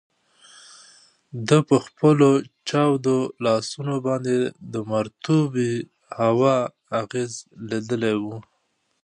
ده په خپلو چاودو لاسونو باندې د مرطوبې هوا اغیز لیدلی و.